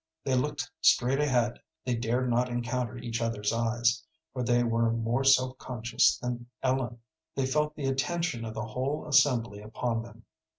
They looked straight ahead; they dared not encounter each other's eyes, for they were more self conscious than Ellen. They felt the attention of the whole assembly upon them.